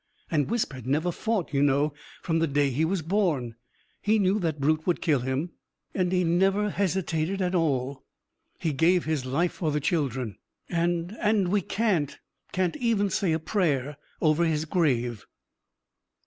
And Wisp had never fought, you know, from the day he was born. He knew that brute would kill him. And he never hesitated at all. He gave his life for the children. And and we can't can't even say a prayer over his grave!"